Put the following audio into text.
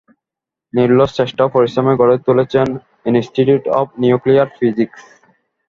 নিরলস চেষ্টা ও পরিশ্রমে গড়ে তুলেছেন ইনস্টিটিউট অব নিউক্লিয়ার ফিজিক্স।